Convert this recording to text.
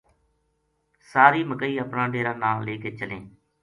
ساری مکئی اپنا ڈیرا نا لے کے چلیں